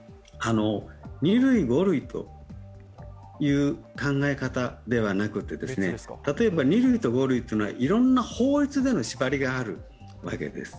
２類、５類という考え方ではなくて例えば２類と５類というのは法律での縛りがあるわけです。